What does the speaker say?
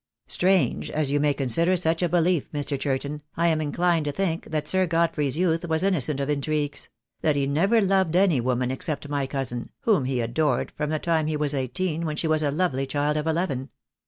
"Strange as you may consider such a belief, Mr. Churton, I am inclined to think that Sii Godfrey's youth was innocent of intrigues — that he never loved any woman except my cousin, whom he adored from the time he was eighteen, when she was a lovely child of eleven.